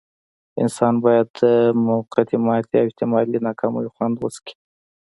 انسان بايد د موقتې ماتې او احتمالي ناکاميو خوند وڅکي.